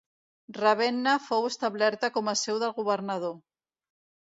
Ravenna fou establerta com a seu del governador.